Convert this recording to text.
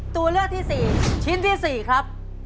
ตัวเลือกที่๔ชิ้นที่๔ครับ